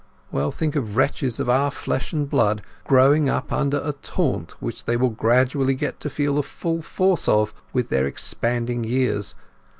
Well, think of wretches of our flesh and blood growing up under a taunt which they will gradually get to feel the full force of with their expanding years.